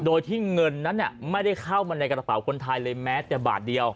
โดยที่เงินนั้นไม่ได้เข้ามาในกระเป๋าคนไทยเลยแม้แต่บาทเดียว